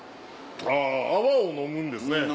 あぁ泡を飲むんですね。